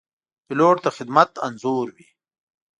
پیلوټ د خدمت انځور وي.